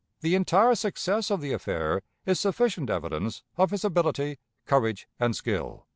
The entire success of the affair is sufficient evidence of his ability, courage, and skill."